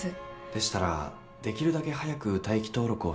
でしたらできるだけ早く待機登録をしていただいた方が。